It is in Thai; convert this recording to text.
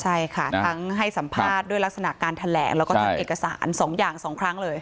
ใช่ค่ะทั้งให้สัมภาษณ์ด้วยลักษณะการแถลงแล้วก็ทั้งเอกสาร๒อย่าง๒ครั้งเลย